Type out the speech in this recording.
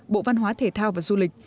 bộ văn hóa thể thao và du lịch